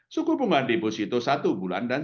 suku bunga deposito satu bulan dan